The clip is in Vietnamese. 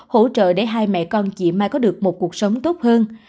hỗ trợ để hai mẹ con chị mai có được một cuộc sống tốt hơn